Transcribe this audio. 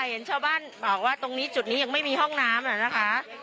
เห็นชาวบ้านบอกว่าตรงนี้จุดนี้ยังไม่มีห้องน้ำนะคะ